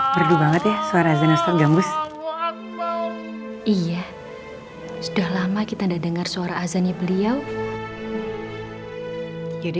berdua banget ya suara jenis gambus iya sudah lama kita udah dengar suara azan ya beliau jadi